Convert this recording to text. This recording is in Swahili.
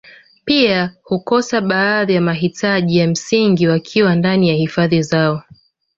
Pia hukosa baadhi ya mahitaji ya msingi wakiwa ndani ya hifadhi zao